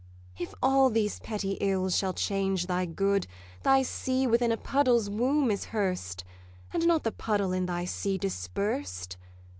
If all these petty ills shall change thy good, Thy sea within a puddle's womb is hearsed, And not the puddle in thy sea dispersed.